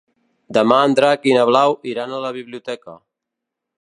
Demà en Drac i na Blau iran a la biblioteca.